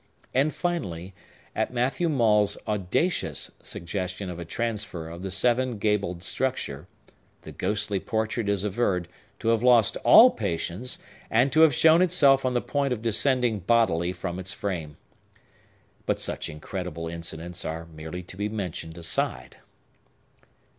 And finally, at Matthew Maule's audacious suggestion of a transfer of the seven gabled structure, the ghostly portrait is averred to have lost all patience, and to have shown itself on the point of descending bodily from its frame. But such incredible incidents are merely to be mentioned aside.